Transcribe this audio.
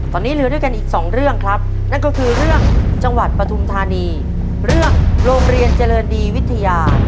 ตอนนี้เหลือด้วยกันอีกสองเรื่องครับนั่นก็คือเรื่องจังหวัดปฐุมธานีเรื่องโรงเรียนเจริญดีวิทยา